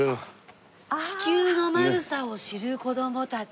『地球の丸さを知る子供たち』。